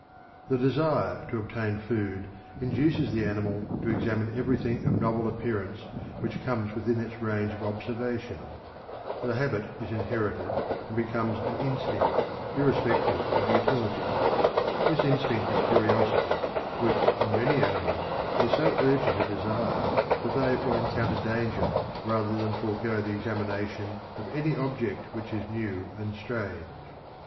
The desire to obtain food induces the animal to examine everything of novel appearance which comes within its range of observation. The habit is inherited and becomes an instinct, irrespective of utility. This instinct is curiosity, which in many animals is so urgent a desire that they will encounter danger rather than forego the examination of any object which is new and strange.